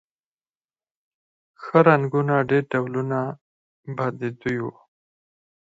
ښه رنګونه ډېر ډولونه به د دوی و